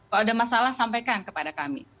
kalau ada masalah sampaikan kepada kami